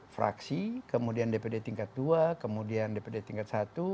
fraksi kemudian dpd tingkat dua kemudian dpd tingkat satu